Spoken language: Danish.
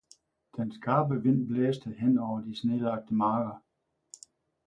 Den skarpe vind blæste hen over de snelagte marker.